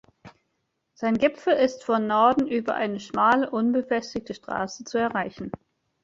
Sein Gipfel ist von Norden über eine schmale, unbefestigte Straße zu erreichen.